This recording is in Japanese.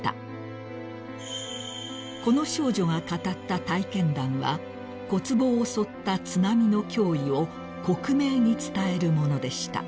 ［この少女が語った体験談は小坪を襲った津波の脅威を克明に伝えるものでした］